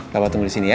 papa tunggu di sini ya